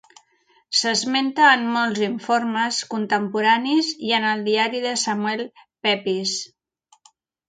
S'esmenta en molts informes contemporanis i en el diari de Samuel Pepys.